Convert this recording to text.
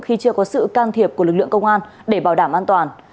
khi chưa có sự can thiệp của lực lượng công an để bảo đảm an toàn